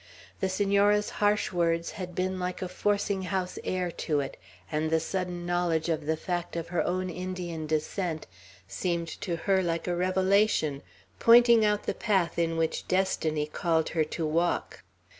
The Senora's harsh words had been like a forcing house air to it, and the sudden knowledge of the fact of her own Indian descent seemed to her like a revelation, pointing out the path in which destiny called her to walk.